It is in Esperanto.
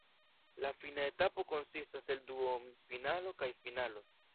Li fina etapo konsistas el duonfinalo kaj finalo.